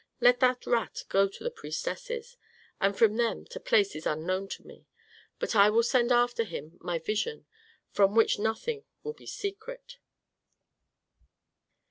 "Let that rat go to the priestesses, and from them to places unknown to me. But I will send after him my vision, from which nothing will be secret."